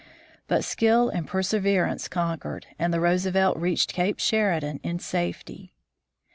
But skill and perseverance conquered, and the Roosevelt reached Cape Sheridan in safety.